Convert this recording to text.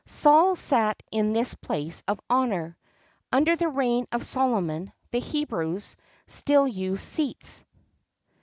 Saul sat in this place of honour.[XXXII 40] Under the reign of Solomon, the Hebrews still used seats.